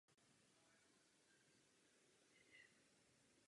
Právě jeho zásluhou došlo k povýšení na město a také ke kolonizaci zdejšího kraje.